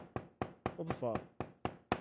Ḍfeṛ!